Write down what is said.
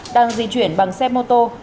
đang di chuyển bằng xe mô tô